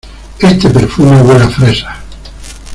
Este perfume huele a fresas